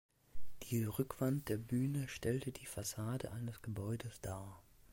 Die Rückwand der Bühne stellte die Fassade eines Gebäudes dar.